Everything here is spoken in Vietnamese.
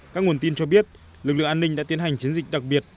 các nguồn tin cho biết lực lượng an ninh đã tiến hành chiến dịch đặc biệt